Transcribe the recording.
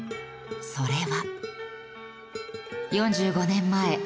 それは。